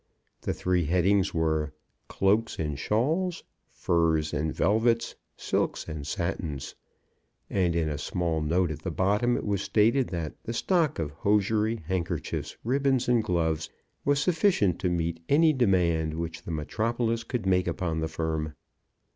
The three headings were "cloaks and shawls," "furs and velvets," "silks and satins;" and in a small note at the bottom it was stated that the stock of hosiery, handkerchiefs, ribbons, and gloves, was sufficient to meet any demand which the metropolis could make upon the firm.